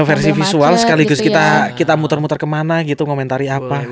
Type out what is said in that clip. versi visual sekaligus kita muter muter kemana gitu ngomentari apa